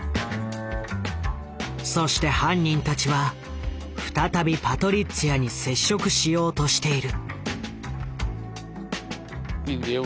そして犯人たちは再びパトリッツィアに接触しようとしている。